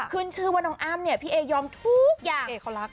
ขึ้นชื่อว่าน้องอ้ำเนี่ยพี่เอยอมทุกอย่างเอเขารัก